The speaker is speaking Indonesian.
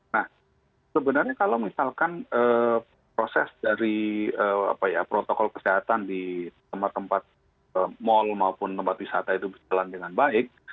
nah sebenarnya kalau misalkan proses dari protokol kesehatan di tempat tempat mal maupun tempat wisata itu berjalan dengan baik